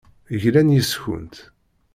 Glan yes-kent.